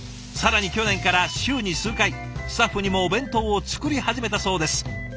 更に去年から週に数回スタッフにもお弁当を作り始めたそうです。